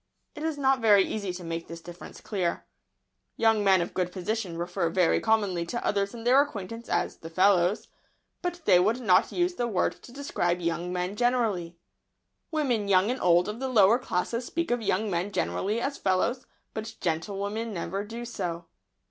It is not very easy to make this difference clear. Young men of good position refer very commonly to others of their acquaintance as "the fellows," but they would not use the word to describe young men generally. Women, young and old, of the lower classes speak of young men generally as "fellows," but gentlewomen never do so.